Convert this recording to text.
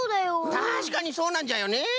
たしかにそうなんじゃよね。